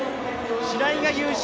白井が優勝。